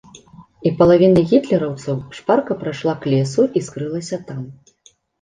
І палавіна гітлераўцаў шпарка прайшла к лесу і скрылася там.